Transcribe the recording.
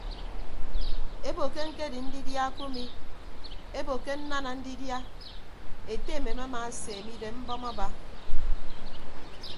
Ebo ke ñkedi ndidia kumi ebo ke nnana ndidia ete emem amaaseeme idem mbọm aba.